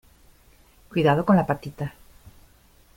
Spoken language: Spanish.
cuidado con la patita.